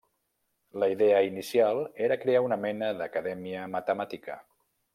La idea inicial era crear una mena d'acadèmia matemàtica.